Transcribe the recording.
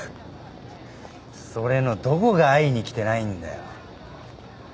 それのどこが会いに来てないんだよ？